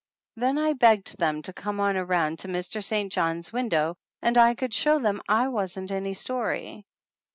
Then I begged them to come on around to Mr. St. John's win dow and I could show them I wasn't any story.